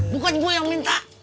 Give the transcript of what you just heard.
bukan gue yang minta